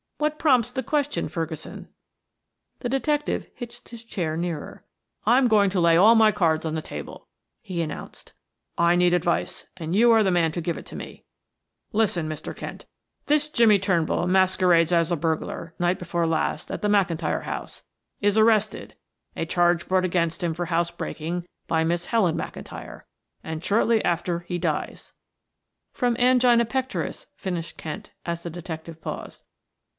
"What prompts the question, Ferguson?" The detective hitched his chair nearer. "I'm going to lay all my cards on the table," he announced. "I need advice and you are the man to give it to me. Listen, Mr. Kent, this Jimmie Turnbull masquerades as a burglar night before last at the McIntyre house, is arrested, a charge brought against him for house breaking by Miss Helen McIntyre, and shortly after he dies " "From angina pectoris," finished Kent, as the detective paused.